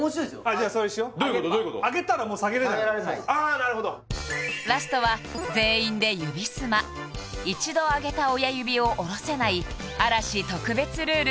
じゃそれしようああなるほどラストは全員で指スマ一度上げた親指を下ろせない嵐特別ルール